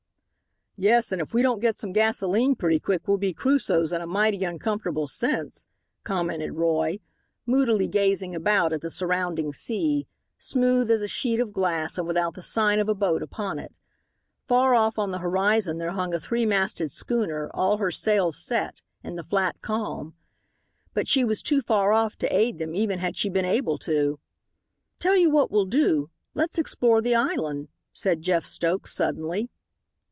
"Yes, and if we don't get some gasolene pretty quick we'll be Crusoes in a mighty uncomfortable sense," commented Roy, moodily gazing about at the surrounding sea, smooth as a sheet of glass and without the sign of a boat upon it. Far off on the horizon there hung a three masted schooner, all her sails set, in the flat calm. But she was too far off to aid them even had she been able to. "Tell you what we'll do, let's explore the island," said Jeff Stokes suddenly.